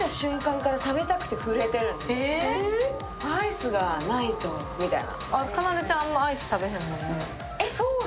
アイスがないとみたいな。